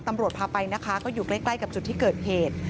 ตำรวจพาไปนะคะก็อยู่ใกล้กับจุดที่เกิดเหตุ